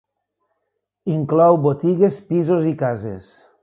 Inclou botigues, pisos i cases.